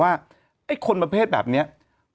มันติดคุกออกไปออกมาได้สองเดือน